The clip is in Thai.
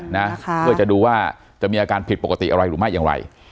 นะค่ะเพื่อจะดูว่าจะมีอาการผิดปกติอะไรหรือไม่อย่างไร